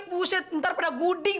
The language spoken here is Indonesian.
buset ntar pada guding